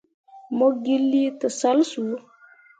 Mo gi lii tǝsal soo.